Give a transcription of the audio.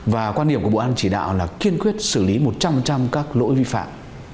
và quan điểm của bộ ban chỉ đạo là kiên quyết xử lý một trăm linh các lỗi vi phạm